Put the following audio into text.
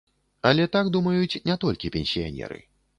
Але так думаюць не толькі пенсіянеры.